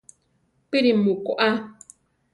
¿Píri mu koʼa?